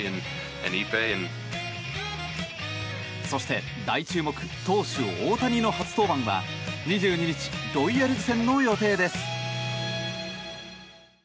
そして、大注目投手・大谷の初登板は２２日ロイヤルズ戦の予定です。